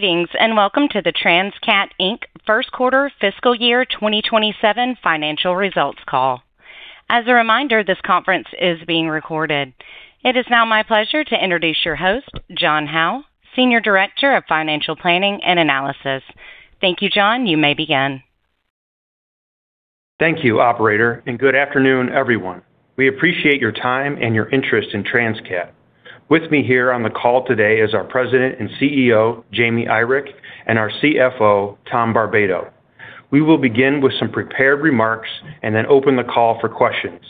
Greetings, welcome to the Transcat, Inc. First Quarter Fiscal Year 2027 Financial Results Call. As a reminder, this conference is being recorded. It is now my pleasure to introduce your host, John Howe, Senior Director of Financial Planning and Analysis. Thank you, John. You may begin. Thank you, operator. Good afternoon, everyone. We appreciate your time and your interest in Transcat. With me here on the call today is our president and CEO, Jaime Irick, and our CFO, Tom Barbato. We will begin with some prepared remarks and then open the call for questions.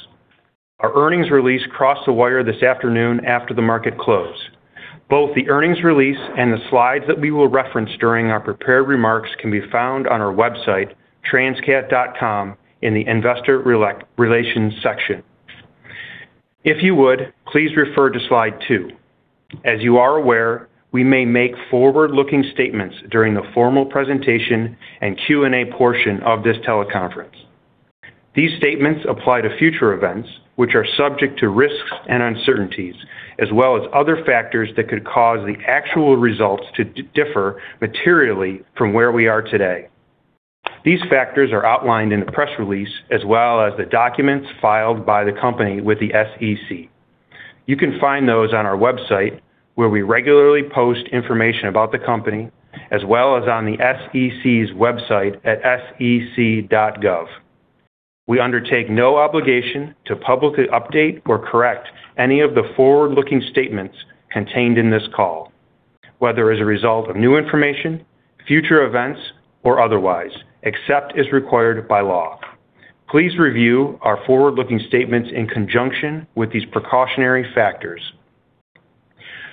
Our earnings release crossed the wire this afternoon after the market close. Both the earnings release and the slides that we will reference during our prepared remarks can be found on our website, transcat.com, in the investor relations section. If you would, please refer to Slide two. As you are aware, we may make forward-looking statements during the formal presentation and Q&A portion of this teleconference. These statements apply to future events, which are subject to risks and uncertainties, as well as other factors that could cause the actual results to differ materially from where we are today. These factors are outlined in the press release as well as the documents filed by the company with the SEC. You can find those on our website, where we regularly post information about the company, as well as on the SEC's website at sec.gov. We undertake no obligation to publicly update or correct any of the forward-looking statements contained in this call, whether as a result of new information, future events, or otherwise, except as required by law. Please review our forward-looking statements in conjunction with these precautionary factors.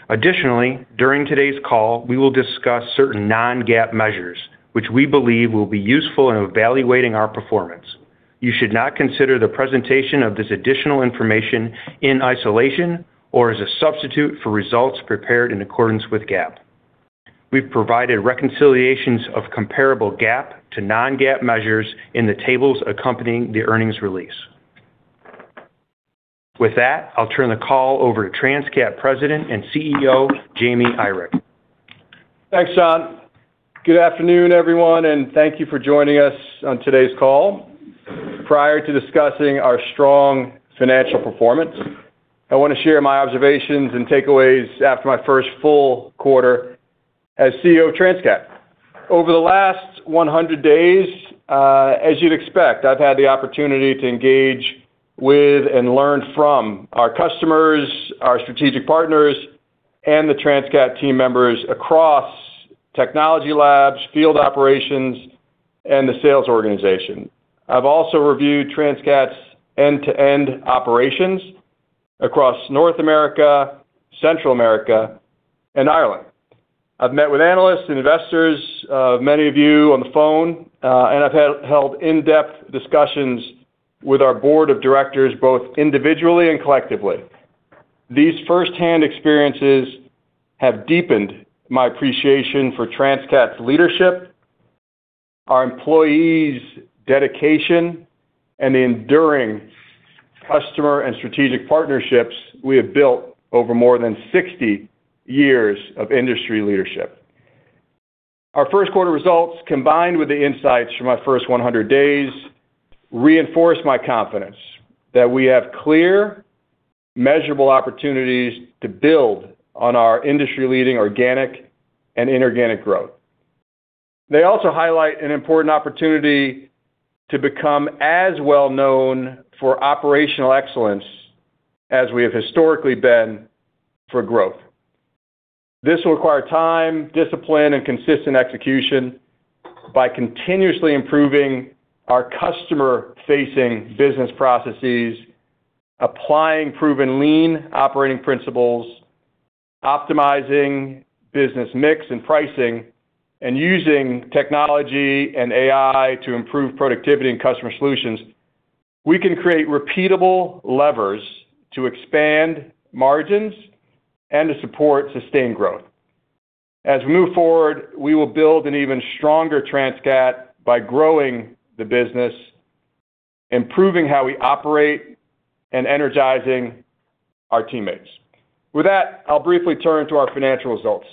Additionally, during today's call, we will discuss certain non-GAAP measures, which we believe will be useful in evaluating our performance. You should not consider the presentation of this additional information in isolation or as a substitute for results prepared in accordance with GAAP. We've provided reconciliations of comparable GAAP to non-GAAP measures in the tables accompanying the earnings release. I'll turn the call over to Transcat President and CEO, Jaime Irick. Thanks, John. Good afternoon, everyone. Thank you for joining us on today's call. Prior to discussing our strong financial performance, I want to share my observations and takeaways after my first full quarter as CEO of Transcat. Over the last 100 days, as you'd expect, I've had the opportunity to engage with and learn from our customers, our strategic partners, and the Transcat team members across technology labs, field operations, and the sales organization. I've also reviewed Transcat's end-to-end operations across North America, Central America, and Ireland. I've met with analysts and investors, many of you on the phone, I've held in-depth discussions with our board of directors, both individually and collectively. These first-hand experiences have deepened my appreciation for Transcat's leadership, our employees' dedication, and the enduring customer and strategic partnerships we have built over more than 60 years of industry leadership. Our first quarter results, combined with the insights from my first 100 days, reinforce my confidence that we have clear, measurable opportunities to build on our industry-leading organic and inorganic growth. They also highlight an important opportunity to become as well-known for operational excellence as we have historically been for growth. This will require time, discipline, and consistent execution. By continuously improving our customer-facing business processes, applying proven lean operating principles, optimizing business mix and pricing, and using technology and AI to improve productivity and customer solutions, we can create repeatable levers to expand margins and to support sustained growth. We will build an even stronger Transcat by growing the business, improving how we operate, and energizing our teammates. With that, I'll briefly turn to our financial results.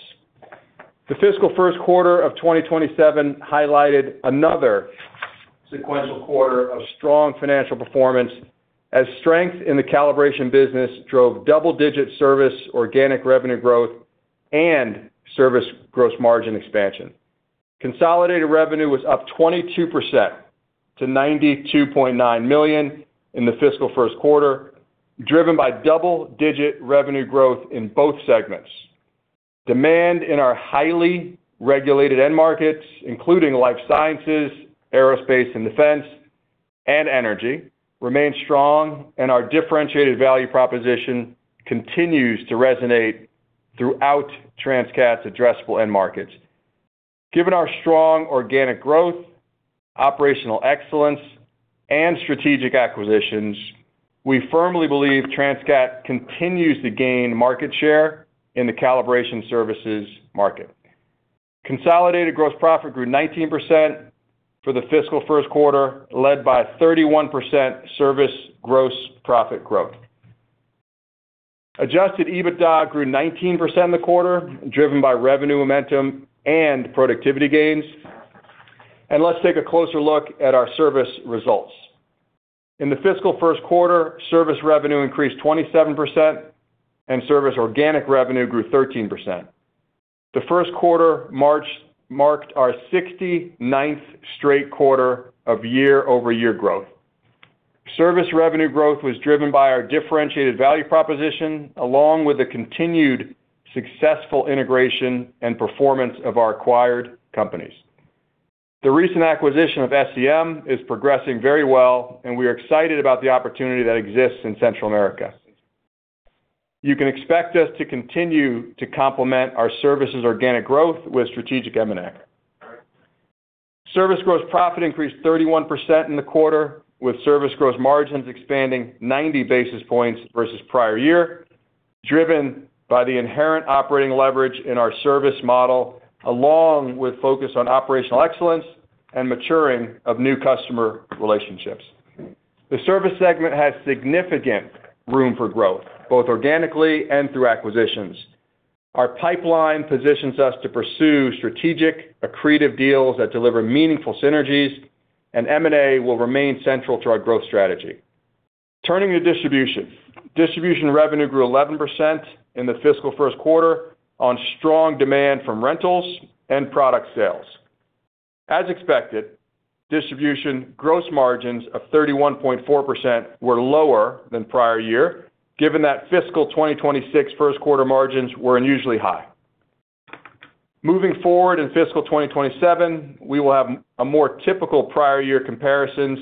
The fiscal first quarter of 2027 highlighted another sequential quarter of strong financial performance as strength in the calibration business drove double-digit service organic revenue growth and service gross margin expansion. Consolidated revenue was up 22% to $92.9 million in the fiscal first quarter, driven by double-digit revenue growth in both segments. Demand in our highly regulated end markets, including life sciences, aerospace and defense, and energy, remained strong, our differentiated value proposition continues to resonate throughout Transcat's addressable end markets. Given our strong organic growth, operational excellence, and strategic acquisitions, we firmly believe Transcat continues to gain market share in the calibration services market. Consolidated gross profit grew 19% for the fiscal first quarter, led by a 31% service gross profit growth. Adjusted EBITDA grew 19% in the quarter, driven by revenue momentum and productivity gains. Let's take a closer look at our service results. In the fiscal first quarter, service revenue increased 27%, and service organic revenue grew 13%. The first quarter marked our 69th straight quarter of year-over-year growth. Service revenue growth was driven by our differentiated value proposition, along with the continued successful integration and performance of our acquired companies. The recent acquisition of SCM is progressing very well, we are excited about the opportunity that exists in Central America. You can expect us to continue to complement our services' organic growth with strategic M&A. Service gross profit increased 31% in the quarter, with service gross margins expanding 90 basis points versus the prior year, driven by the inherent operating leverage in our service model, along with a focus on operational excellence and the maturing of new customer relationships. The service segment has significant room for growth, both organically and through acquisitions. Our pipeline positions us to pursue strategic, accretive deals that deliver meaningful synergies. M&A will remain central to our growth strategy. Turning to distribution, revenue grew 11% in the fiscal first quarter on strong demand from rentals and product sales. As expected, distribution gross margins of 31.4% were lower than the prior year, given that fiscal 2026 first-quarter margins were unusually high. Moving forward in fiscal 2027, we will have more typical prior-year comparisons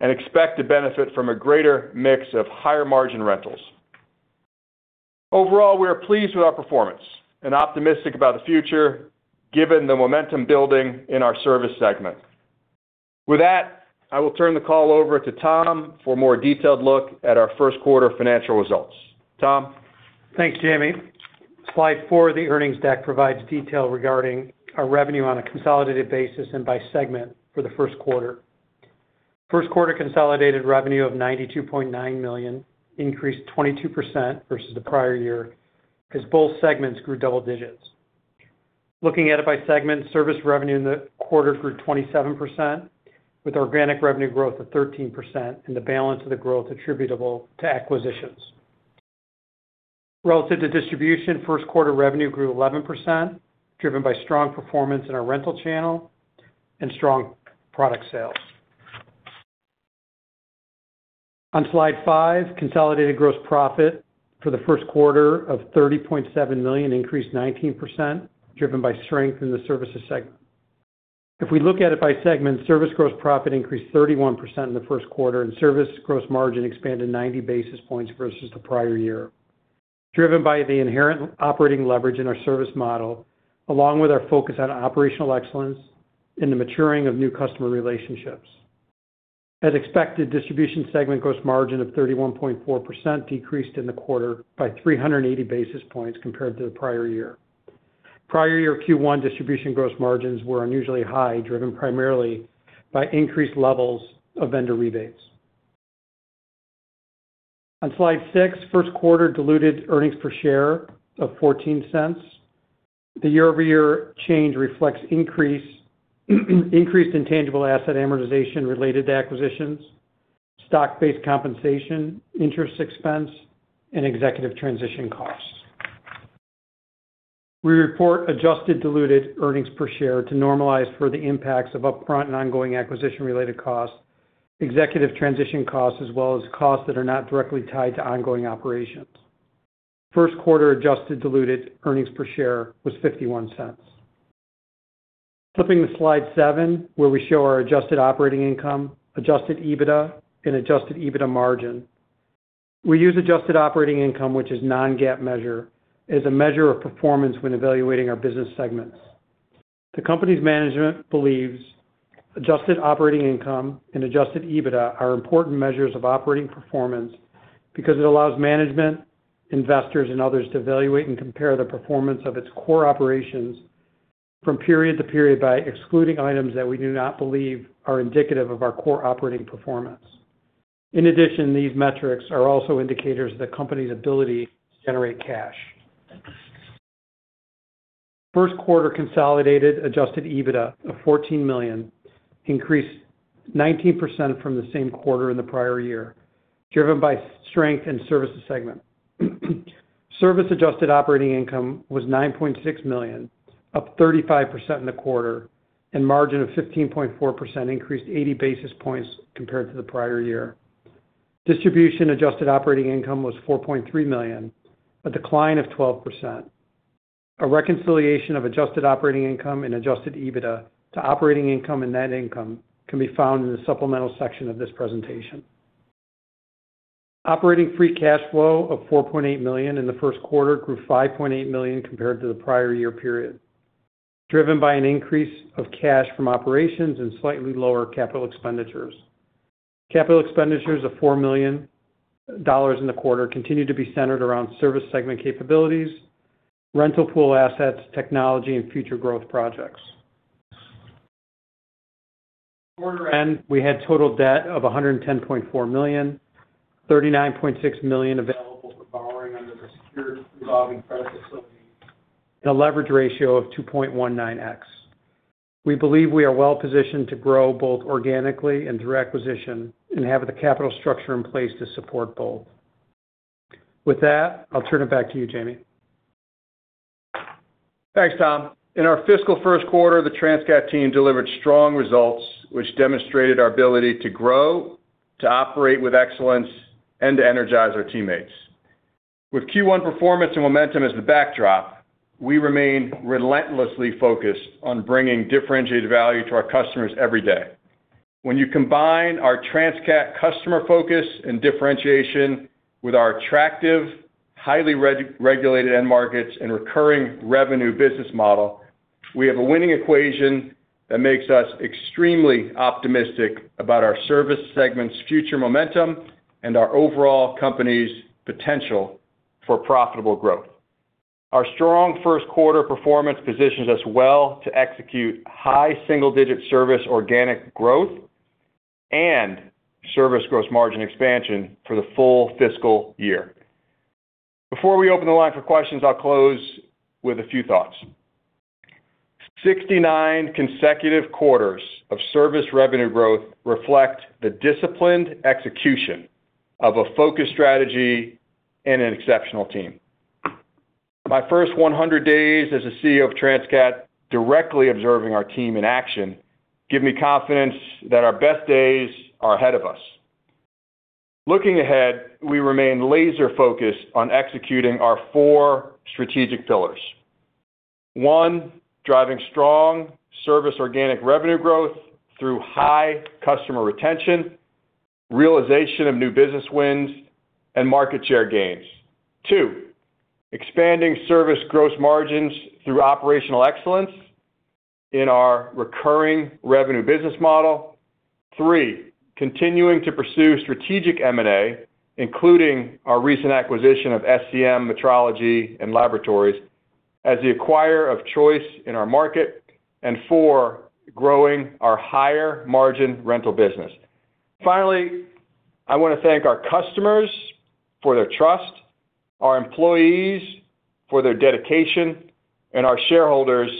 and expect to benefit from a greater mix of higher-margin rentals. Overall, we are pleased with our performance and optimistic about the future given the momentum building in our service segment. With that, I will turn the call over to Tom for a more detailed look at our first quarter financial results. Tom? Thanks, Jaime. Slide four of the earnings deck provides detail regarding our revenue on a consolidated basis and by segment for the first quarter. First quarter consolidated revenue of $92.9 million increased 22% versus the prior year as both segments grew double-digits. Looking at it by segment, service revenue in the quarter grew 27%, with organic revenue growth of 13% and the balance of the growth attributable to acquisitions. Relative to distribution, first quarter revenue grew 11%, driven by strong performance in our rental channel and strong product sales. On slide five, consolidated gross profit for the first quarter of $30.7 million increased 19%, driven by strength in the services segment. If we look at it by segment, service gross profit increased 31% in the first quarter and service gross margin expanded 90 basis points versus the prior year, driven by the inherent operating leverage in our service model, along with our focus on operational excellence in the maturing of new customer relationships. As expected, the distribution segment gross margin of 31.4% decreased in the quarter by 380 basis points compared to the prior year. Prior-year Q1 distribution gross margins were unusually high, driven primarily by increased levels of vendor rebates. On slide six, the first-quarter diluted earnings per share are $0.14. The year-over-year change reflects an increase in tangible asset amortization related to acquisitions, stock-based compensation, interest expense, and executive transition costs. We report adjusted diluted earnings per share to normalize for the impacts of upfront and ongoing acquisition-related costs, executive transition costs, and costs that are not directly tied to ongoing operations. The first-quarter adjusted diluted earnings per share was $0.51. Flipping to slide seven, where we show our adjusted operating income, adjusted EBITDA, and adjusted EBITDA margin. We use adjusted operating income, which is a non-GAAP measure, as a measure of performance when evaluating our business segments. The company's management believes adjusted operating income and adjusted EBITDA are important measures of operating performance because they allow management, investors, and others to evaluate and compare the performance of its core operations from period to period by excluding items that we do not believe are indicative of our core operating performance. In addition, these metrics are also indicators of the company's ability to generate cash. The first quarter consolidated adjusted EBITDA of $14 million increased 19% from the same quarter in the prior year, driven by strength in the Services segment. Service-Adjusted Operating Income was $9.6 million, up 35% in the quarter, and the margin of 15.4% increased 80 basis points compared to the prior year. Distribution-Adjusted Operating Income was $4.3 million, a decline of 12%. A reconciliation of adjusted operating income and adjusted EBITDA to operating income and net income can be found in the supplemental section of this presentation. Operating free cash flow of $4.8 million in the first quarter grew $5.8 million compared to the prior year period, driven by an increase of cash from operations and slightly lower capital expenditures. Capital expenditures of $4 million in the quarter continue to be centered around service segment capabilities, rental pool assets, technology, and future growth projects. Quarter-end, we had total debt of $110.4 million, $39.6 million available for borrowing under the secured revolving credit facility, and a leverage ratio of 2.19x. We believe we are well-positioned to grow both organically and through acquisition and have the capital structure in place to support both. With that, I'll turn it back to you, Jaime. Thanks, Tom. In our fiscal first quarter, the Transcat team delivered strong results, which demonstrated our ability to grow, to operate with excellence, and to energize our teammates. With Q1 performance and momentum as the backdrop, we remain relentlessly focused on bringing differentiated value to our customers every day. When you combine our Transcat customer focus and differentiation with our attractive, highly regulated end markets and recurring revenue business model, we have a winning equation that makes us extremely optimistic about our service segment's future momentum and our overall company's potential for profitable growth. Our strong first-quarter performance positions us well to execute high single-digit service organic growth and service gross margin expansion for the full fiscal year. Before we open the line for questions, I'll close with a few thoughts. 69 consecutive quarters of service revenue growth reflect the disciplined execution of a focused strategy and an exceptional team. My first 100 days as the CEO of Transcat, directly observing our team in action, gave me confidence that our best days are ahead of us. Looking ahead, we remain laser-focused on executing our four strategic pillars. One, driving strong service-organic revenue growth through high customer retention, realization of new business wins, and market share gains. Two, expanding service gross margins through operational excellence in our recurring revenue business model. Three, continuing to pursue strategic M&A, including our recent acquisition of SCM Metrology & Laboratories as the acquirer of choice in our market. Four, growing our higher-margin rental business. Finally, I want to thank our customers for their trust, our employees for their dedication, and our shareholders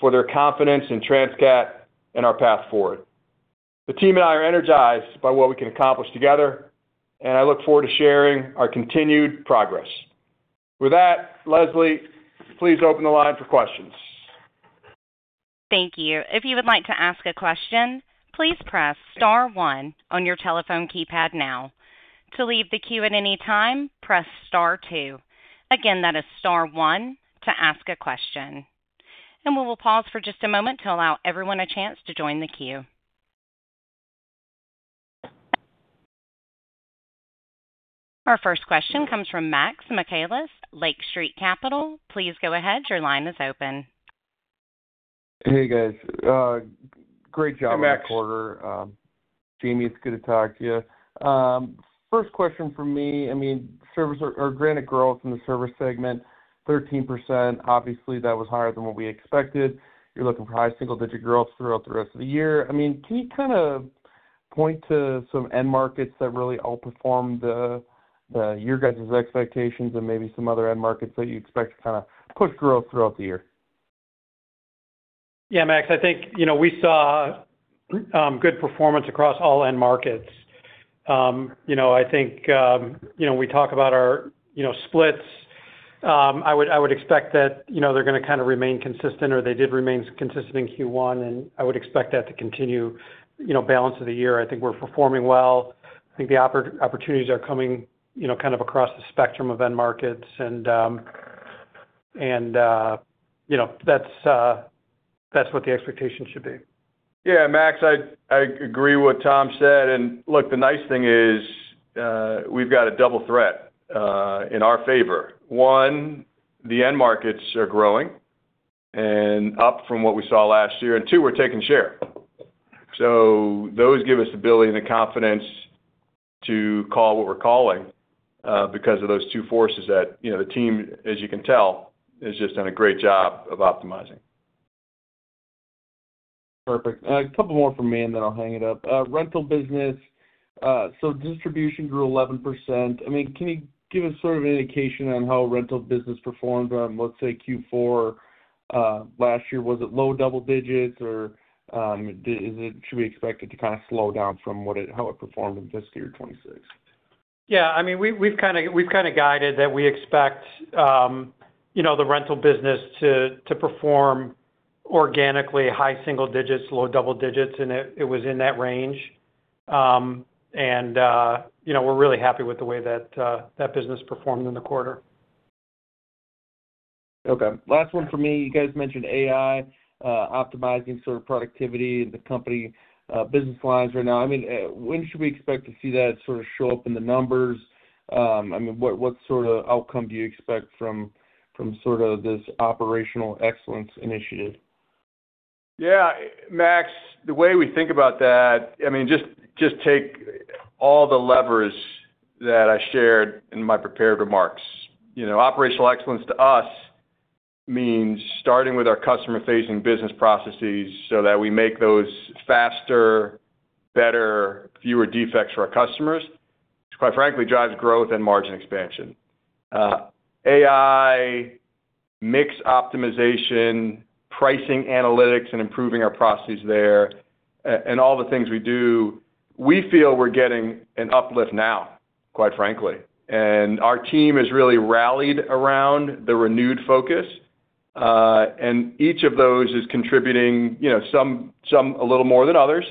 for their confidence in Transcat and our path forward. The team and I are energized by what we can accomplish together. I look forward to sharing our continued progress. With that, Leslie, please open the line for questions. Thank you. If you would like to ask a question, please press star one on your telephone keypad now. To leave the queue at any time, press star two. Again, that is star one to ask a question. We will pause for just a moment to allow everyone a chance to join the queue. Our first question comes from Max Michaelis, Lake Street Capital. Please go ahead. Your line is open. Hey, guys. Great job— Hey, Max. ...on the quarter. Jaime, it's good to talk to you. First question from me. Granted growth in the service segment 13%. Obviously, that was higher than what we expected. You're looking for high single-digit growth throughout the rest of the year. Can you point to some end markets that really outperformed your guys' expectations and maybe some other end markets that you expect to push growth throughout the year? Max, I think we saw good performance across all end markets. I think we talk about our splits. I would expect that they're going to remain consistent, or they did remain consistent in Q1, and I would expect that to continue the balance of the year. I think we're performing well. I think the opportunities are coming across the spectrum of end markets, and that's what the expectation should be. Max, I agree with what Tom said. Look, the nice thing is we've got a double threat in our favor. One, the end markets are growing and up from what we saw last year. Two, we're taking a share. Those give us the ability and the confidence to call what we're calling because of those two forces that the team, as you can tell, has just done a great job of optimizing. Perfect. A couple more from me, and then I'll hang it up. Rental business. Distribution grew 11%. Can you give us sort of an indication of how the rental business performed in, let's say, Q4 last year? Was it low double-digits, or should we expect it to kind of slow down from how it performed in fiscal year 2026? We've kind of guided that we expect the rental business to perform organically with high single digits and low double digits, and it was in that range. We're really happy with the way that business performed in the quarter. Okay. Last one from me. You guys mentioned AI optimizing sort of productivity in the company business lines right now. When should we expect to see that sort of show up in the numbers? What sort of outcome do you expect from this Operational Excellence Initiative? Yeah, Max, the way we think about that, just take all the levers that I shared in my prepared remarks. Operational excellence to us means starting with our customer-facing business processes so that we make those faster, better, fewer defects for our customers, which quite frankly drives growth and margin expansion. AI, mix optimization, pricing analytics, and improving our processes there, and all the things we do, we feel we're getting an uplift now, quite frankly. Our team has really rallied around the renewed focus. Each of those is contributing, some a little more than others,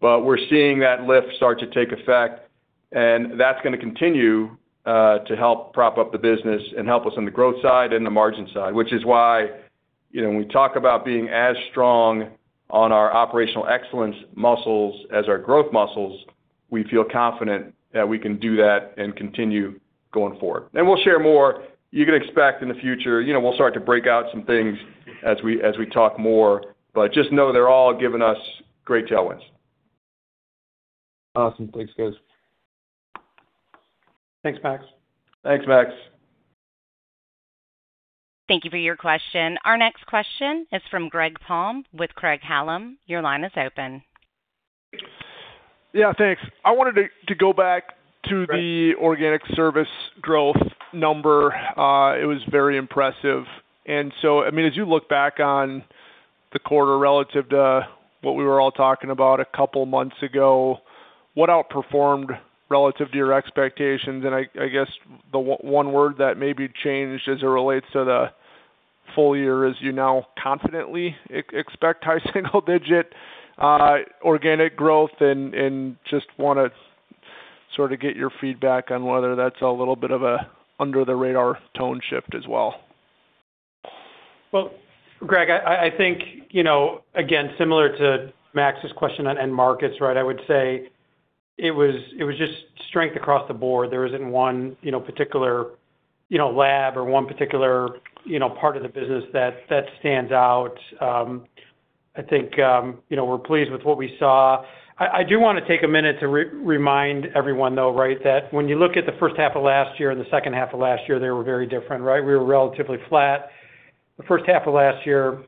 but we're seeing that lift start to take effect, and that's going to continue to help prop up the business and help us on the growth side and the margin side. Which is why when we talk about being as strong on our operational excellence muscles as our growth muscles, we feel confident that we can do that and continue going forward. We'll share more. You can expect in the future, we'll start to break out some things as we talk more. Just know they're all giving us great tailwinds. Awesome. Thanks, guys. Thanks, Max. Thanks, Max. Thank you for your question. Our next question is from Greg Palm with Craig-Hallum. Your line is open. Thanks. I wanted to go back to the organic service growth number. It was very impressive. As you look back on the quarter relative to what we were all talking about a couple months ago, what outperformed relative to your expectations? I guess the one word that maybe changed as it relates to the full year is you now confidently expect high single-digit organic growth. Just want to sort of get your feedback on whether that's a little bit of an under-the-radar tone shift as well. Greg, I think, again, similar to Max's question on end markets, I would say it was just strength across the board. There isn't one particular lab or one particular part of the business that stands out. I think we're pleased with what we saw. I do want to take a minute to remind everyone, though, that when you look at the first half of last year and the second half of last year, they were very different. We were relatively flat the first half of last year.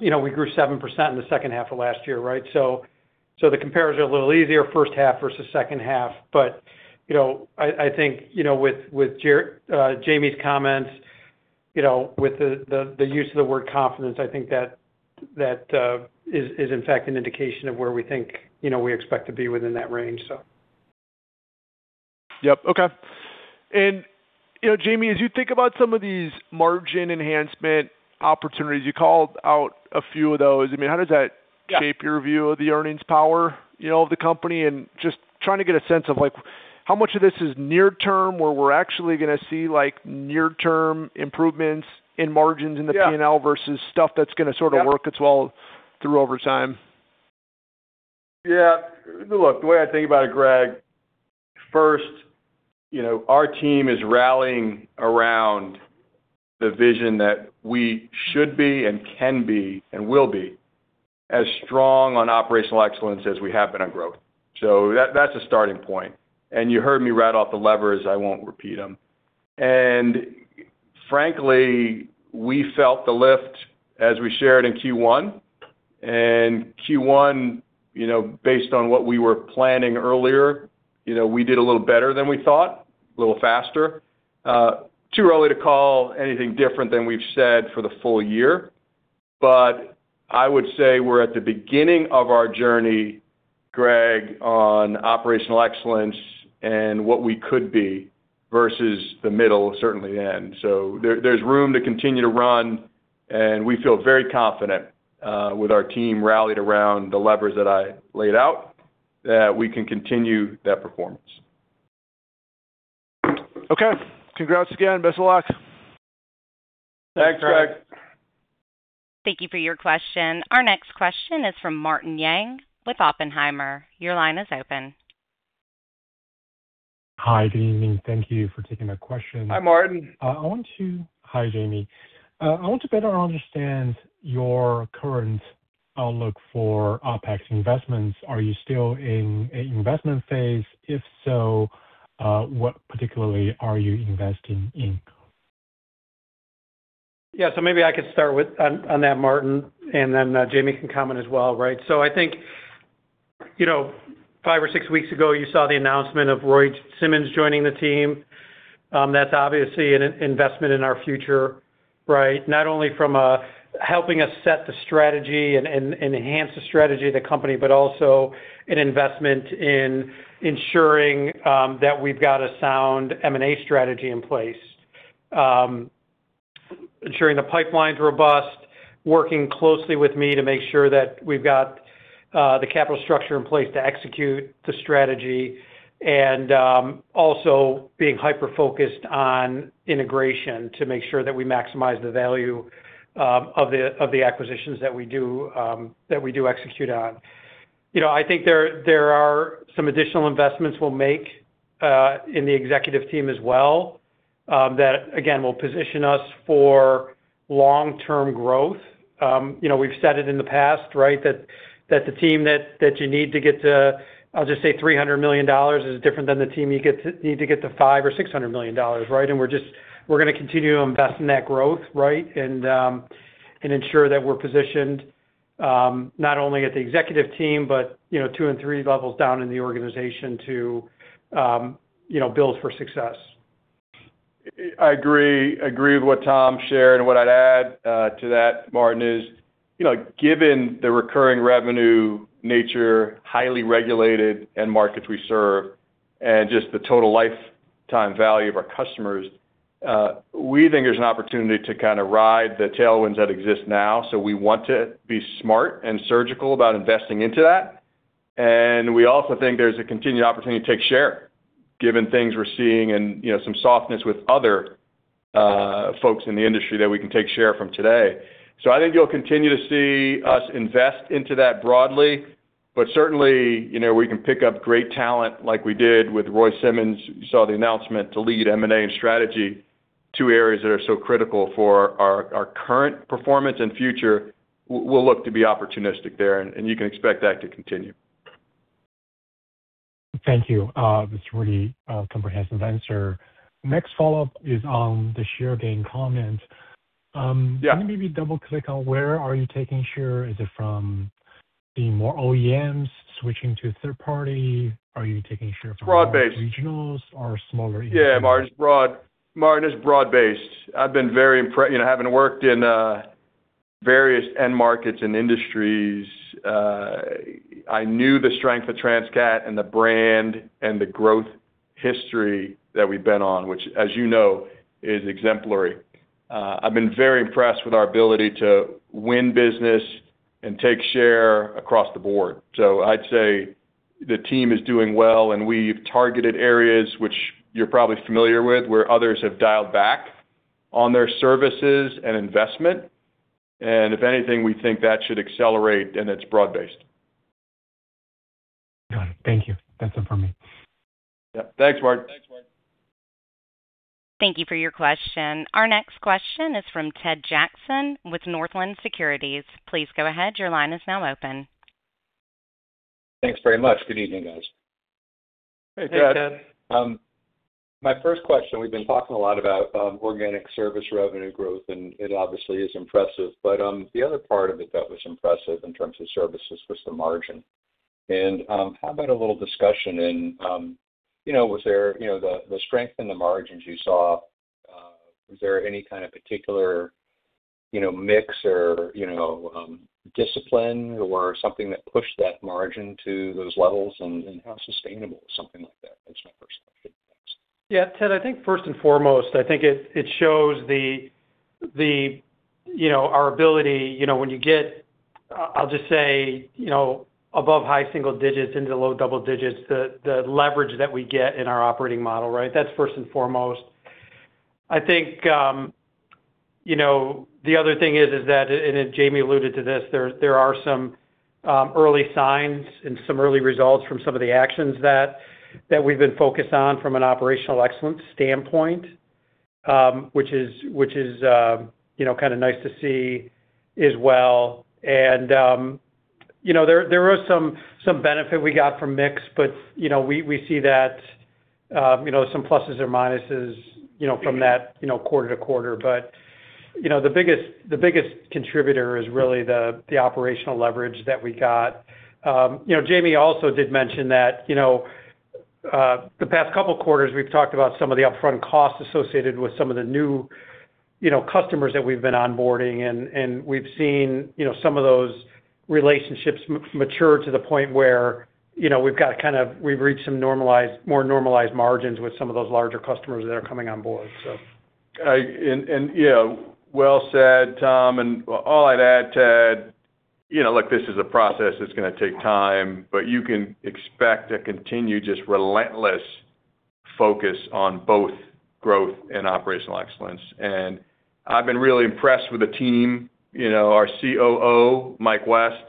We grew 7% in the second half of last year. The compares are a little easier, first half versus second half. I think with Jaime's comments, with the use of the word confidence, I think that is in fact an indication of where we think we expect to be within that range. Yep. Okay. Jaime, as you think about some of these margin enhancement opportunities, you called out a few of those. How does that shape your view of the earnings power of the company? Just trying to get a sense of how much of this is near-term, where we're actually going to see near-term improvements in margins in the P&L versus stuff that's going to sort of work its way through over time. Yeah. Look, the way I think about it, Greg, first, our team is rallying around the vision that we should be and can be and will be as strong on operational excellence as we have been on growth. That's a starting point. You heard me rattle off the levers. I won't repeat them. Frankly, we felt the lift as we shared in Q1. Q1, based on what we were planning earlier, we did a little better than we thought, a little faster. Too early to call anything different than we've said for the full year. I would say we're at the beginning of our journey, Greg, on operational excellence and what we could be versus the middle, certainly the end. There's room to continue to run, and we feel very confident with our team rallied around the levers that I laid out, that we can continue that performance. Okay. Congrats again. Best of luck. Thank you for your question. Our next question is from Martin Yang with Oppenheimer. Your line is open. Hi, good evening. Thank you for taking my question. Hi, Martin. Hi, Jaime. I want to better understand your current outlook for OpEx investments. Are you still in an investment phase? If so, what particularly are you investing in? Maybe I could start on that, Martin, and then Jaime can comment as well. I think, five or six weeks ago, you saw the announcement of Roy Simmons joining the team. That's obviously an investment in our future. Not only from helping us set the strategy and enhance the strategy of the company, but also as an investment in ensuring that we've got a sound M&A strategy in place. Ensuring the pipeline's robust, working closely with me to make sure that we've got the capital structure in place to execute the strategy, and also being hyper-focused on integration to make sure that we maximize the value of the acquisitions that we do execute on. I think there are some additional investments we'll make in the executive team as well that, again, will position us for long-term growth. We've said it in the past that the team that you need to get to, I'll just say $300 million, is different than the team you need to get to $500 or $600 million. We're going to continue to invest in that growth and ensure that we're positioned not only at the executive team but also two and three levels down in the organization to build for success. I agree with what Tom shared. What I'd add to that, Martin, is given the recurring revenue nature, highly regulated end markets we serve, and just the total lifetime value of our customers; we think there's an opportunity to kind of ride the tailwinds that exist now. We want to be smart and surgical about investing into that. We also think there's a continued opportunity to take a share, given things we're seeing and some softness with other folks in the industry that we can take a share from today. I think you'll continue to see us invest in that broadly. Certainly, we can pick up great talent like we did with Roy Simmons, you saw the announcement, to lead M&A and strategy, two areas that are so critical for our current performance and future. We'll look to be opportunistic there, you can expect that to continue. Thank you. That's a really comprehensive answer. Next follow-up is on the share gain comment. Yeah. Can you maybe double-click on where are you taking share? Is it from the more OEMs switching to third-party? Are you taking a share from— Broad-based ...regionals or smaller OEMs? Yeah, Martin, it's broad-based. I've been very impressed. Having worked in various end markets and industries, I knew the strength of Transcat and the brand and the growth history that we've been on, which, as you know, is exemplary. I've been very impressed with our ability to win business and take share across the board. I'd say the team is doing well, and we've targeted areas that you're probably familiar with, where others have dialed back on their services and investment. If anything, we think that should accelerate, and it's broad-based. Got it. Thank you. That's it for me. Yeah. Thanks, Martin. Thank you for your question. Our next question is from Ted Jackson with Northland Securities. Please go ahead. Your line is now open. Thanks very much. Good evening, guys. Hey, Ted. Hey, Ted. My first question: we've been talking a lot about organic service revenue growth; it obviously is impressive. The other part of it that was impressive in terms of services was the margin. How about a little discussion in the strength in the margins you saw. Was there any kind of particular mix or discipline or something that pushed that margin to those levels? How sustainable is something like that as a percentage? Thanks. Yeah, Ted, I think first and foremost, I think it shows our ability, when you get, I'll just say, above high single-digits into the low double-digits, the leverage that we get in our operating model, right? That's first and foremost. I think the other thing is that, Jaime alluded to this; there are some early signs and some early results from some of the actions that we've been focused on from an operational excellence standpoint, which is kind of nice to see as well. There was some benefit we got from mix, but we see that some pluses or minuses from that quarter to quarter. The biggest contributor is really the operational leverage that we got. Jaime also did mention that the past couple of quarters, we've talked about some of the upfront costs associated with some of the new customers that we've been onboarding, and we've seen some of those relationships mature to the point where we've reached some more normalized margins with some of those larger customers that are coming on board. Yeah, well said, Tom, and all I'd add, Ted. Look, this is a process that's going to take time, but you can expect a continued just relentless focus on both growth and operational excellence. I've been really impressed with the team. Our COO, Mike West,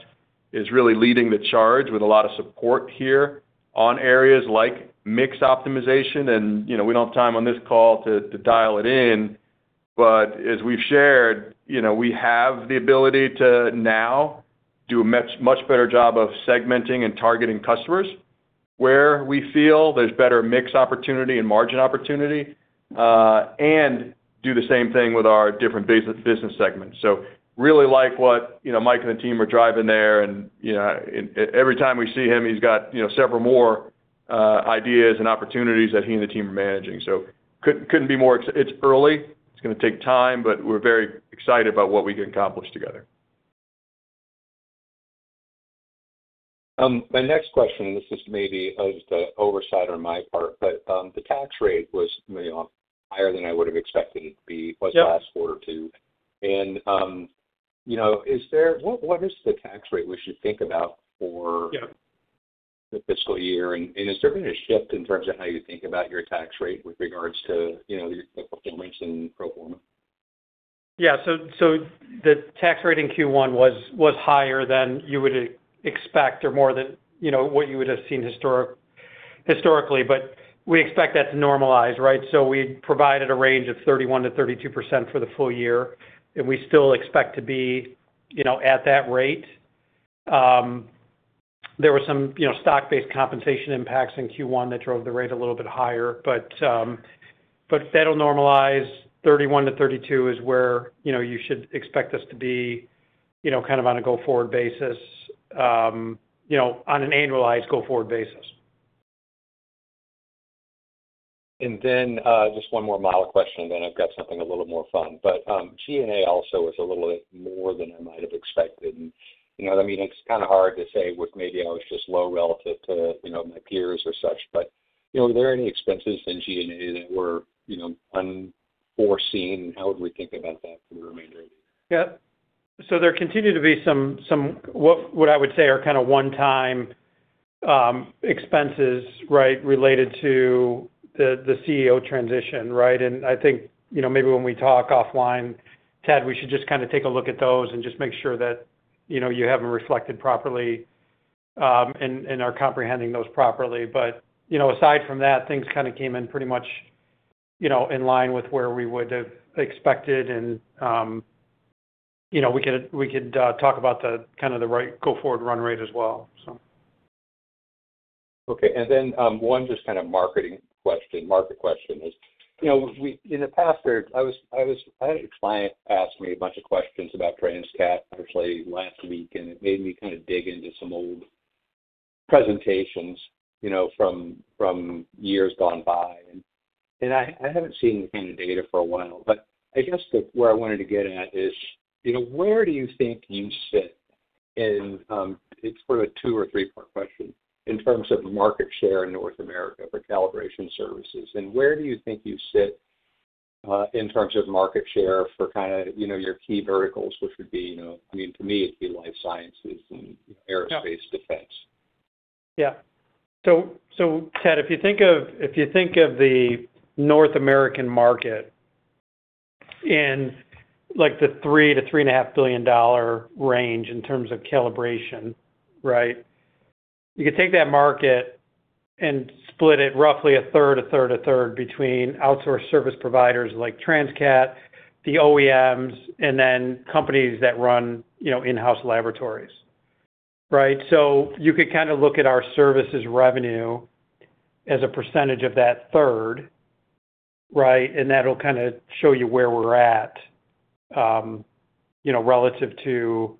is really leading the charge with a lot of support here on areas like mix optimization. We don't have time on this call to dial it in, but as we've shared, we have the ability to now do a much better job of segmenting and targeting customers where we feel there's better mix opportunity and margin opportunity, and do the same thing with our different business segments. Really like what Mike and the team are driving there. Every time we see him, he's got several more ideas and opportunities that he and the team are managing. It's early, it's going to take time, but we're very excited about what we can accomplish together. My next question: this is maybe the oversight on my part; the tax rate was higher than I would've expected it to be. Yeah. What is the tax rate we should think about for— Yeah. Has there been a shift in terms of how you think about your tax rate with regard to your performance and pro forma? Yeah. The tax rate in Q1 was higher than you would expect or more than what you would have seen historically. We expect that to normalize, right? We provided a range of 31%-32% for the full year, and we still expect to be at that rate. There were some stock-based compensation impacts in Q1 that drove the rate a little bit higher. That'll normalize. 31%-32% is where you should expect us to be on an annualized go-forward basis. Just one more model question, and then I've got something a little more fun. G&A also was a little bit more than I might have expected. It's kind of hard to say with maybe I was just low relative to my peers or such, but were there any expenses in G&A that were unforeseen? How would we think about that for the remainder of the year? There continue to be some, what I would say are kind of one-time expenses related to the CEO transition. I think maybe when we talk offline, Ted, we should just take a look at those and just make sure that you have them reflected properly and are comprehending those properly. Aside from that, things came in pretty much in line with where we would have expected, and we could talk about the go-forward run rate as well. Okay. Then one just kind of market question is, in the past, I had a client ask me a bunch of questions about Transcat actually last week; it made me dig into some old presentations from years gone by. I haven't seen the data for a while, but I guess what I wanted to get at is, where do you think you sit in, it's sort of a two- or three-part question in terms of market share in North America for calibration services. Where do you think you sit in terms of market share for your key verticals, which would be, for me, life sciences and aerospace defense? Ted, if you think of the North American market in the $3 billion-$3.5 billion range in terms of calibration. You could take that market and split it roughly a third, a third, a third between outsourced service providers like Transcat, the OEMs, and companies that run in-house laboratories. You could look at our services revenue as a percentage of that third, that'll show you where we're at relative to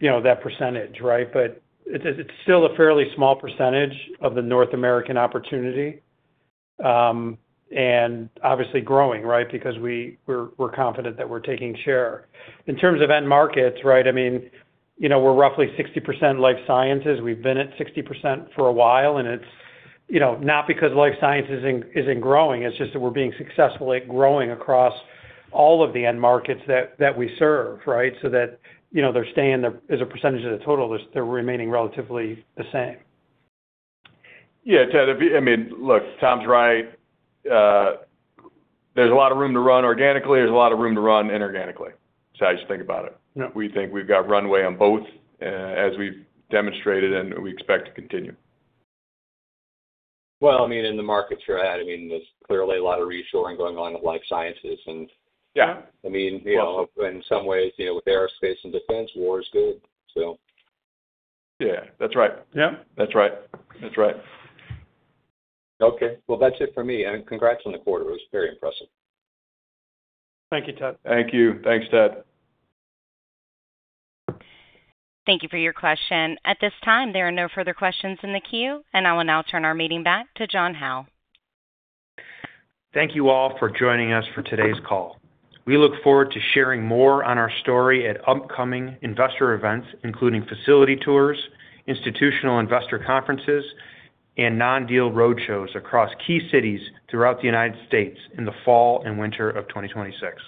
that percentage. It's still a fairly small percentage of the North American opportunity, obviously growing because we're confident that we're taking share. In terms of end markets, we're roughly 60% life sciences. We've been at 60% for a while, it's not because life science isn't growing, it's just that we're being successful at growing across all of the end markets that we serve. As a percentage of the total, they're remaining relatively the same. Yeah, Ted. Look, Tom's right. There's a lot of room to run organically. There's a lot of room to run inorganically. That's how I used to think about it. Yeah. We think we've got runway on both, as we've demonstrated, and we expect to continue. Well, in the markets you're at, there's clearly a lot of reshoring going on with life sciences. Yeah In some ways, with aerospace and defense, war is good. Yeah. That's right. Yeah. That's right. Okay. Well, that's it for me. Congrats on the quarter. It was very impressive. Thank you, Ted. Thank you. Thanks, Ted. Thank you for your question. At this time, there are no further questions in the queue. I will now turn our meeting back to John Howe. Thank you all for joining us for today's call. We look forward to sharing more on our story at upcoming investor events, including facility tours, institutional investor conferences, and non-deal roadshows across key cities throughout the U.S. in the fall and winter of 2026.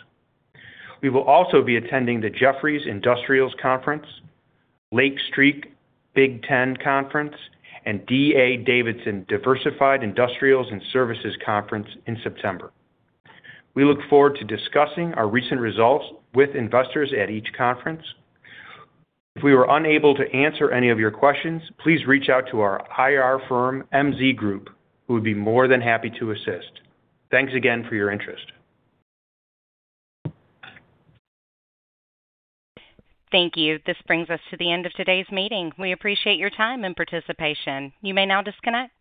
We will also be attending the Jefferies Industrials Conference, Lake Street Best Ideas Growth Conference, and D.A. Davidson Diversified Industrials and Services Conference in September. We look forward to discussing our recent results with investors at each conference. If we were unable to answer any of your questions, please reach out to our IR firm, MZ Group. We would be more than happy to assist. Thanks again for your interest. Thank you. This brings us to the end of today's meeting. We appreciate your time and participation. You may now disconnect.